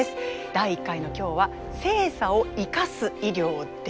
第１回の今日は性差を生かす医療です。